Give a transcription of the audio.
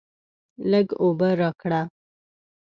لږ اوبه راکړه!